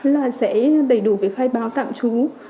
là sẽ đầy đủ về khai báo tạm trú